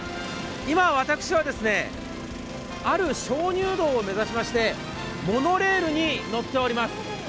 今、私はある鍾乳洞を目指しましてモノレールに乗っております。